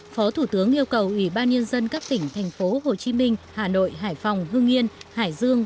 phó thủ tướng yêu cầu ủy ban nhân dân các tỉnh thành phố hồ chí minh hà nội hải phòng hương yên hải dương